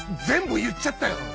全部言っちゃったよ。